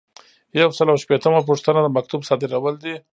یو سل او شپیتمه پوښتنه د مکتوب صادرول دي.